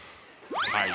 はい。